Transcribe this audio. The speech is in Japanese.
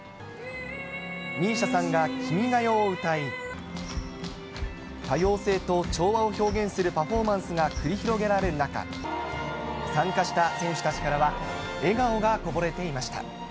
ＭＩＳＩＡさんが君が代を歌い、多様性と調和を表現するパフォーマンスが繰り広げられる中、参加した選手たちからは笑顔がこぼれていました。